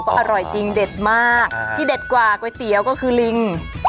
ก็อร่อยจริงเด็ดมากที่เด็ดกว่าก๋วยเตี๋ยวก็คือลิง